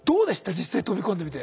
実際飛び込んでみて。